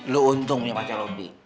lo untung punya pacar opi